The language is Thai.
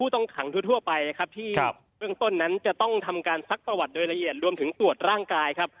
ตอนนั้นจะต้องทำการซักประวัติโดยละเอียดรวมถึงตรวจร่างกายครับ